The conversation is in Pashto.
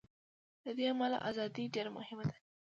له دې امله ازادي ډېره مهمه ده.